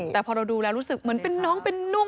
แต่พอเราดูแล้วรู้สึกเหมือนเป็นน้องเป็นนุ่ม